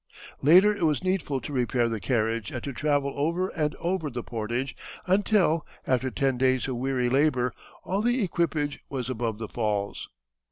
Later it was needful to repair the carriage and to travel over and over the portage until, after ten days of weary labor, all the equipage was above the falls.